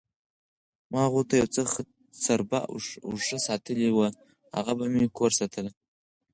ما هغو ته یوه څربه اوښه ساتلې وه، هغه به مې کور ساتله،